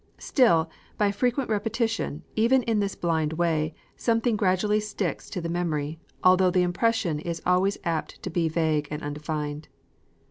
Still, by frequent repetition, even in this blind way, something gradually sticks to the memory, although the impression is always apt to be vague and undefined.